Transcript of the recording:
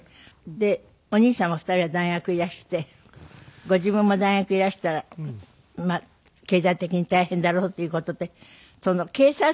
でお兄様２人は大学へいらしてご自分も大学へいらしたら経済的に大変だろうという事で警察官になるように。